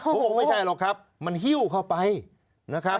ผมบอกไม่ใช่หรอกครับมันหิ้วเข้าไปนะครับ